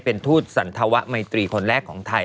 เป็นทูตสันธวะไมตรีคนแรกของไทย